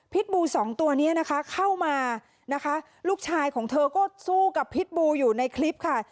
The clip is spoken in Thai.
บูสองตัวนี้นะคะเข้ามานะคะลูกชายของเธอก็สู้กับพิษบูอยู่ในคลิปค่ะ